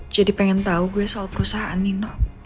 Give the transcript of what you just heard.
jadi pengen tau gue soal perusahaan nino